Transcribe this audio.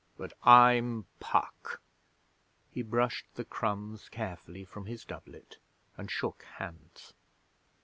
But I'm Puck!' He brushed the crumbs carefully from his doublet and shook hands.